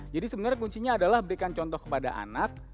jadi sebenarnya kuncinya adalah berikan contoh kepada anak